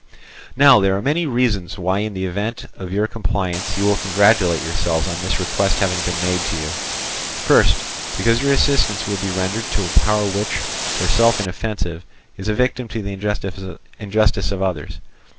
"Now there are many reasons why in the event of your compliance you will congratulate yourselves on this request having been made to you. First, because your assistance will be rendered to a power which, herself inoffensive, is a victim to the injustice of others.